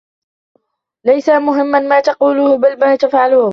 ليس مهما ما تقوله، بل ما تفعله.